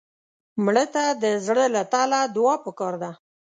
مړه ته د زړه له تله دعا پکار ده